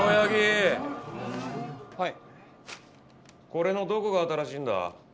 これのどこが新しいんだ？